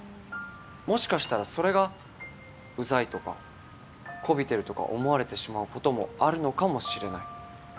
もしかしたら、それがうざいとかこびてるとか思われてしまうこともあるのかもしれない。